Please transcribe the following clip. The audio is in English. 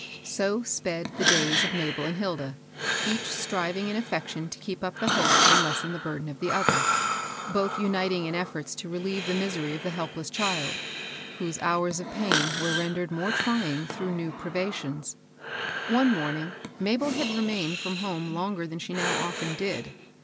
So sped the days with Mabel and Hilda ; each striving in affection to keep up the hope and lessen the burden of the other ; both uniting in efforts to relieve the misery of the helpless child, whose hours of pain were rendered more trying through new privations. One morning, Mabel had remained from home longer than she now often did.